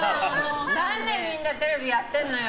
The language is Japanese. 何年みんなテレビやってんのよ！